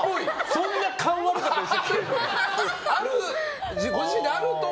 そんな勘悪かったでしたっけ？